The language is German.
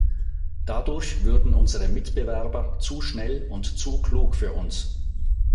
Dadurch würden unsere Mitbewerber zu schnell und zu klug für uns.